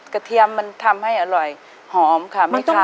เทียมมันทำให้อร่อยหอมค่ะแม่ค้า